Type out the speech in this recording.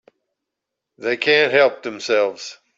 They can't help themselves.